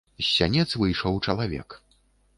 З сянец выйшаў чалавек.